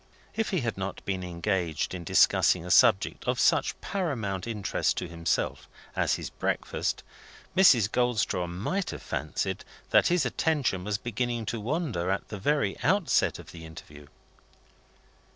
If he had not been engaged in discussing a subject of such paramount interest to himself as his breakfast, Mrs. Goldstraw might have fancied that his attention was beginning to wander at the very outset of the interview.